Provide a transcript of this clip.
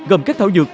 gồm các thảo dược